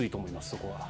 そこは。